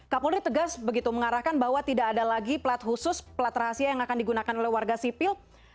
kapolri tegas begitu mengarahkan bahwa tidak ada lagi plat khusus plat rahasia yang akan digunakan oleh warga sipil